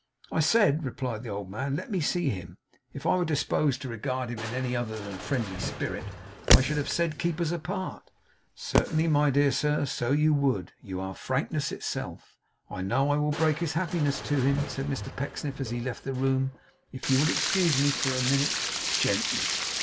'I said,' replied the old man, 'let me see him. If I were disposed to regard him in any other than a friendly spirit, I should have said keep us apart.' 'Certainly, my dear sir. So you would. You are frankness itself, I know. I will break this happiness to him,' said Mr Pecksniff, as he left the room, 'if you will excuse me for a minute gently.